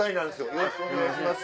よろしくお願いします。